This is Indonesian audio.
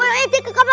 aduh ini kemana